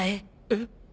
えっ？